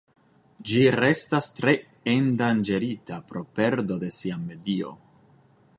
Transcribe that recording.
Ĝi restas tre endanĝerita pro perdo de sia medio.